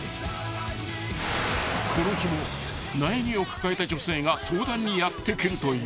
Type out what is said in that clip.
［この日も悩みを抱えた女性が相談にやって来るという］